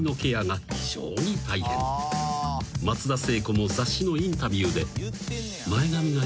［松田聖子も雑誌のインタビューで］